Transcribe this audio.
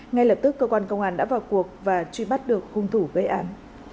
ngay lập tức cơ quan công an đã vào cuộc và truy bắt được hung thủ gây án